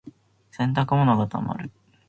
洗濯物が溜まる。